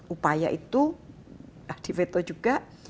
upaya itu di veto juga